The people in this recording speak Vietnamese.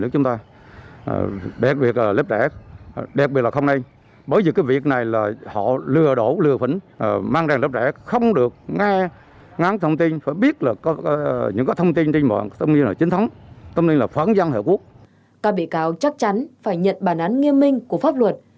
các bệ cao chắc chắn phải nhận bản án nghiêm minh của pháp luật